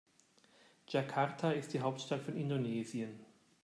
Jakarta ist die Hauptstadt von Indonesien.